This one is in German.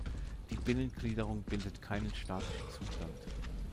Die Binnengliederung bildet keinen statischen Zustand.